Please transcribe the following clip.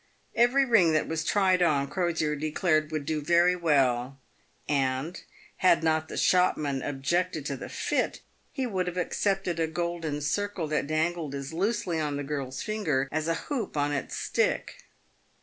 Every ring that was tried on Crosier declared would do very well, and, had not the shopman objected to the fit, he would have accepted a golden circle that dangled as loosely on the girl's finger as a hoop on its stick.